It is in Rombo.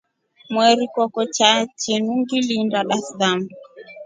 Mweri koko na chimu ngiliinda Darsalamu.